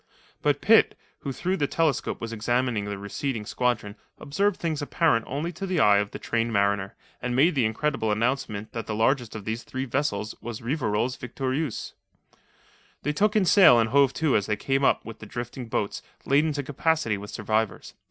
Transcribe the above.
But Pitt, who through the telescope was examining the receding squadron, observed things apparent only to the eye of the trained mariner, and made the incredible announcement that the largest of these three vessels was Rivarol's Victorieuse. They took in sail and hove to as they came up with the drifting boats, laden to capacity with survivors.